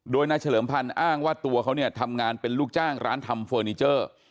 โดยนายเฉลิมพันธ์อ้างว่าตัวเขาเนี่ยทำงานเป็นลูกจ้างร้านทำเฟอร์นิเจอร์